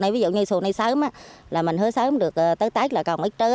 ví dụ như sổ này sớm mình hứa sớm được tới tết là còn ít trớ